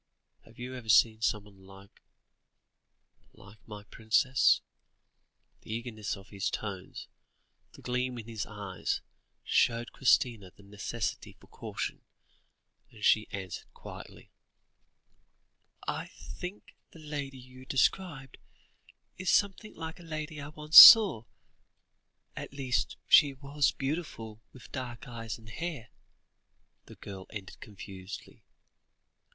Have you ever seen someone like like my princess?" The eagerness of his tones, the gleam in his eyes, showed Christina the necessity for caution, and she answered quietly "I think the lady you describe, is something like a lady I once saw; at least, she was beautiful, with dark eyes and hair," the girl ended confusedly.